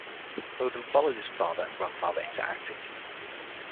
Roden followed his father and grandfather into acting.